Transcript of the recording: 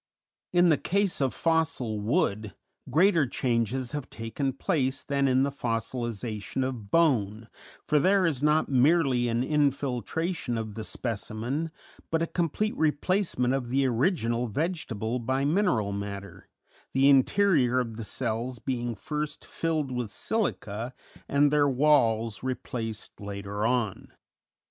In the case of fossil wood greater changes have taken place than in the fossilization of bone, for there is not merely an infiltration of the specimen but a complete replacement of the original vegetable by mineral matter, the interior of the cells being first filled with silica and their walls replaced later on.